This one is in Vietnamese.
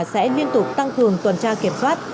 sẽ liên tục tăng thường tuần tra kiểm soát